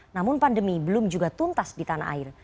namun pandemi belum juga tuntas di tanah air